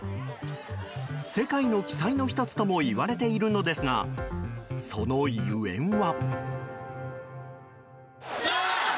世界の奇祭の１つともいわれているのですがそのゆえんは。